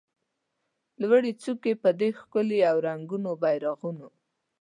لوړي څوکي به وي ښکلي له رنګینو بیرغونو